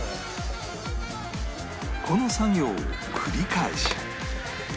この作業を繰り返し